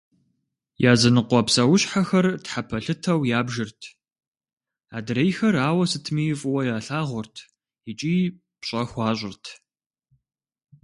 Языныкъуэ псэущхьэхэр тхьэпэлъытэу ябжырт, адрейхэр ауэ сытми фӏыуэ ялъагъурт икӏи пщӏэ хуащӏырт.